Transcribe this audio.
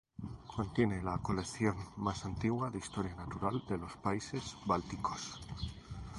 Contiene la colección más antigua de historia natural de los países bálticos.